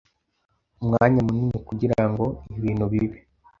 umwanya munini kugirango ibintu bibe